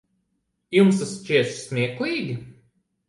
Jums tas šķiet smieklīgi?